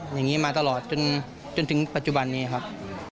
อย่างนี้มาตลอดจนถึงปัจจุบันนี้ครับ